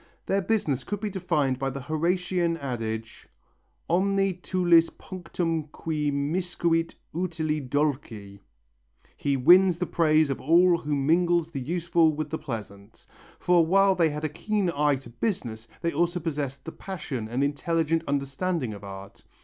Their business could be defined by the Horatian adage, Omne tulit punctum qui miscuit utile dulci (he wins the praise of all who mingles the useful with the pleasant), for while they had a keen eye to business, they also possessed the passion and intelligent understanding of art.